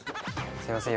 すいません